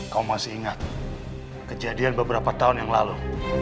kamu masih ingat kejadian beberapa tahun yang lalu